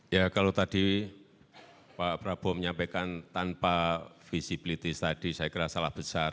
ya kalau tadi pak prabowo menyampaikan tanpa visibility study saya kira salah besar